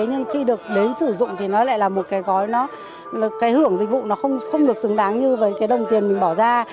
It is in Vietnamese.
nhưng khi được đến sử dụng thì nó lại là một cái gói nó cái hưởng dịch vụ nó không được xứng đáng như với cái đồng tiền mình bỏ ra